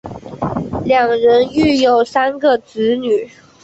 两人育有三个子女。